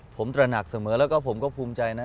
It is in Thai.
ผมตระหนักเสมอแล้วก็ผมก็ภูมิใจนะ